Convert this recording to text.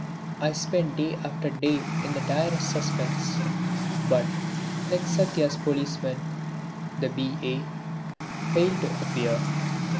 I spent day after day in the direst suspense. But, like Satya's policeman, the B.A. failed to appear.